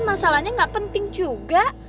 masalahnya gak penting juga